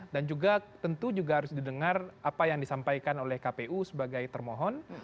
dan juga tentu juga harus didengar apa yang disampaikan oleh kpu sebagai termohon